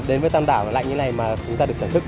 đến với tạm đảo là lạnh như này mà chúng ta được thưởng thức